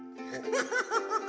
フフフフフ。